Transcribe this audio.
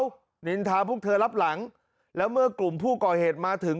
แล้วนินทาพวกเธอรับหลังแล้วเมื่อกลุ่มผู้ก่อเหตุมาถึง